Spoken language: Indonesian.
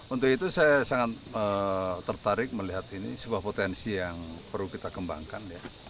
untuk itu saya sangat tertarik melihat ini sebuah potensi yang perlu kita kembangkan